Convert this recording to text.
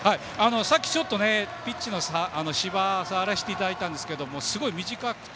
さっき、ピッチの芝を触らせていただいたんですがすごい短くて。